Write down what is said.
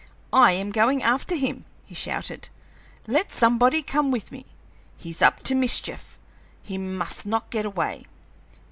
"I am going after him!" he shouted. "Let somebody come with me. He's up to mischief! He must not get away!"